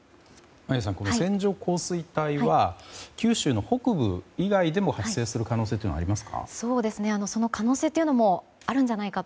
線状降水帯は九州の北部以外でも発生する可能性というのはありますか？